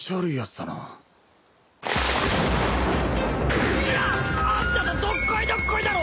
圓いあんたとどっこいどっこいだろ！